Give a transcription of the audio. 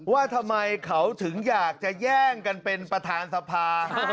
ว่าทำไมเขาถึงอยากจะแย่งกันเป็นประธานสภา